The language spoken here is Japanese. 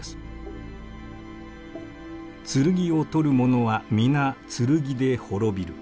「剣を取る者は皆剣で滅びる」。